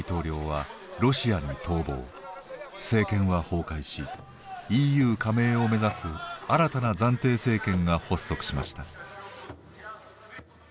政権は崩壊しＥＵ加盟を目指す新たな暫定政権が発足しました。